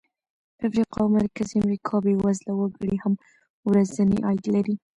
د افریقا او مرکزي امریکا بېوزله وګړي هم ورځنی عاید لري.